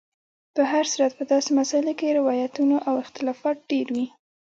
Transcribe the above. په هر صورت په داسې مسایلو کې روایتونو او اختلافات ډېر وي.